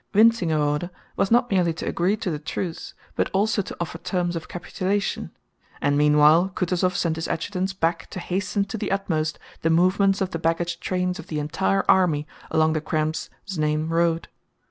Wintzingerode was not merely to agree to the truce but also to offer terms of capitulation, and meanwhile Kutúzov sent his adjutants back to hasten to the utmost the movements of the baggage trains of the entire army along the Krems Znaim road.